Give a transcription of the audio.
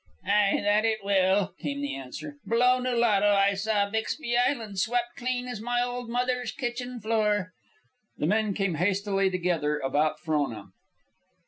"Ay, that it will," came the answer. "Below Nulato I saw Bixbie Island swept clean as my old mother's kitchen floor." The men came hastily together about Frona.